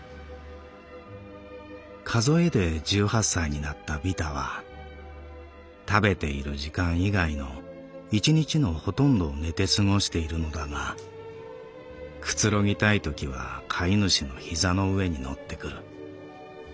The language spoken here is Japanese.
「数えで十八歳になったビタは食べている時間以外の一日のほとんどを寝てすごしているのだがくつろぎたいときは飼い主の膝の上に乗ってくる。